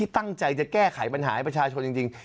ตั้งใจจะแก้ไขปัญหาให้ประชาชนจริง